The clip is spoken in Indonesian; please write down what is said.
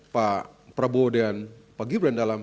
pak prabowo dan pak gibran dalam